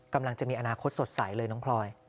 กำลังจะมีอนาคตสดใสเลยน้องพลอย